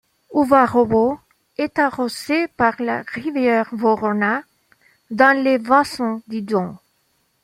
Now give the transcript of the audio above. Ouvarovo est arrosée par la rivière Vorona, dans le bassin du Don.